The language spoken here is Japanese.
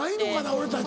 俺たち。